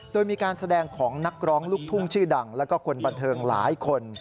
โดยมีการแสดงของนักร้องลูกทุ่งชื่อดังแล้วก็คนบันเทิงหลายคน